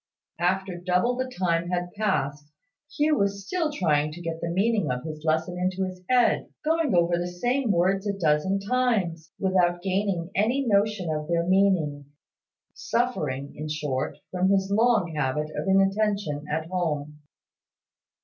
After double the time had passed Hugh was still trying to get the meaning of his lesson into his head going over the same words a dozen times, without gaining any notion of their meaning suffering, in short from his long habit of inattention at home.